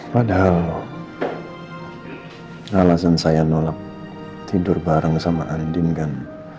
padahal alasan saya nolak tidur bareng sama andin kan